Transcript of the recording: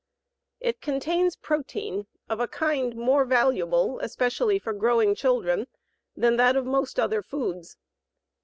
It contains protein of a kind more valuable, especially for growing children, than that of most other foods.